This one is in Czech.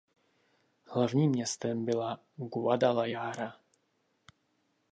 Hlavním městem byla Guadalajara.